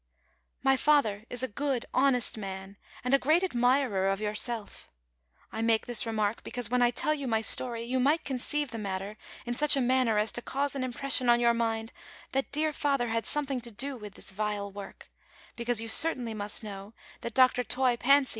"]Sry father is a good, honest man, and a great admirer of yourself ; I make this remark because, when I tell you my story, you might conceive the matter ia such a manner as to cause an impression on your mind that dear father had something to do with this vile work ; because, you certainly must know th;it Dr. Toy p;nicy v.'